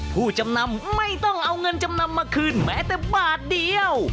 ผู้จำนำไม่ต้องเอาเงินจำนำมาคืนแม้แต่บาทเดียว